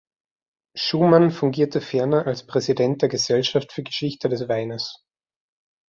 Schumann fungierte ferner als Präsident der Gesellschaft für Geschichte des Weines.